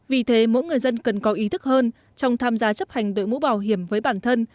vì thế mỗi người dân cần có ý thức hơn trong tham gia chấp hành đội mũ bảo hiểm với bản thân